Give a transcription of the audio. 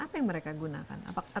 apa yang mereka gunakan